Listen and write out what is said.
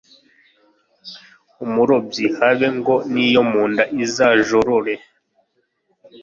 Umurobyi habe ngo n'iyo mu nda izajorore!